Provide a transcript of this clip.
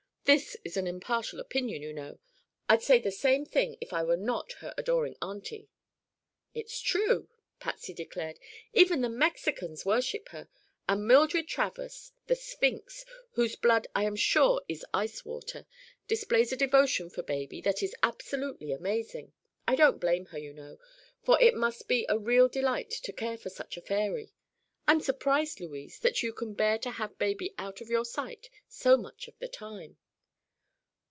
This is an impartial opinion, you know; I'd say the same thing if I were not her adoring auntie." "It's true," Patsy declared. "Even the Mexicans worship her. And Mildred Travers—the sphinx—whose blood I am sure is ice water, displays a devotion for baby that is absolutely amazing. I don't blame her, you know, for it must be a real delight to care for such a fairy. I'm surprised, Louise, that you can bear to have baby out of your sight so much of the time."